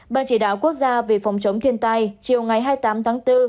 ban chỉ đạo quốc gia về phòng chống thiên tai chiều ngày hai mươi tám tháng bốn